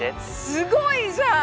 すごいじゃん！